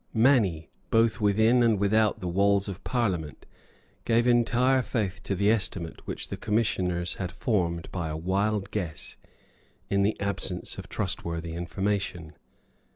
Many, both within and without the walls of Parliament, gave entire faith to the estimate which the commissioners had formed by a wild guess, in the absence of trustworthy information.